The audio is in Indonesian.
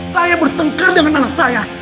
saya bertengkar dengan anak saya